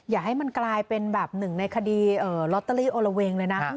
อย่าให้มันกลายเป็นแบบหนึ่งในคดีลอตเตอรี่โอละเวงเลยนะ